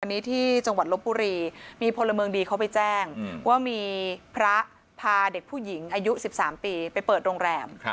อันนี้ที่จังหวัดลบบุรีมีพลเมืองดีเขาไปแจ้งว่ามีพระพาเด็กผู้หญิงอายุ๑๓ปีไปเปิดโรงแรม